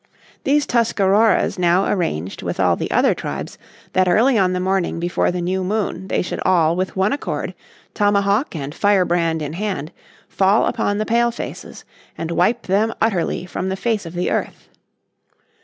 These Tuscaroras now arranged with all the other tribes that early on the morning before the new moon they should all with one accord, tomahawk and firebrand in hand, fall upon the Pale faces and wipe them utterly from the face of the earth.